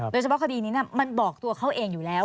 โดยเฉพาะคดีนี้มันบอกตัวเขาเองอยู่แล้ว